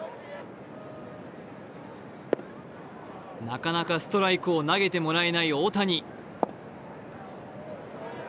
なかなかストライクを投げてもらえない大谷。